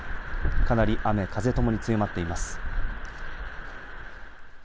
かなり雨風ともに強まっています。